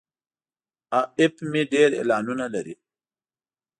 اپ مې ډیر اعلانونه لري.